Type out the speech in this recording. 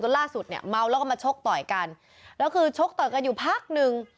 ล่าสุดเนี่ยเมาแล้วก็มาชกต่อยกันแล้วคือชกต่อยกันอยู่พักหนึ่ง